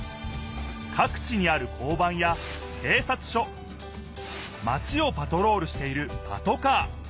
かく地にある交番や警察署マチをパトロールしているパトカー。